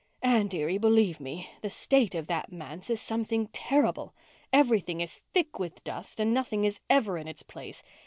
Anne dearie, believe me, the state of that manse is something terrible. Everything is thick with dust and nothing is ever in its place.